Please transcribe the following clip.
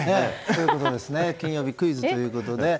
金曜日、クイズということで。